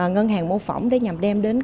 ngân hàng mô phỏng để nhằm đem đến